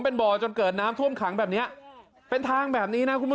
เป็นบ่อจนเกิดน้ำท่วมขังแบบเนี้ยเป็นทางแบบนี้นะคุณผู้ชม